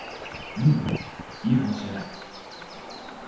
うんいいかもしれない。